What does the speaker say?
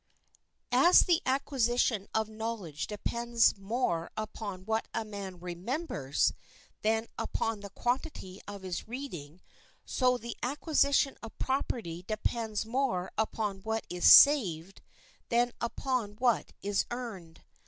As the acquisition of knowledge depends more upon what a man remembers than upon the quantity of his reading, so the acquisition of property depends more upon what is saved than upon what is earned.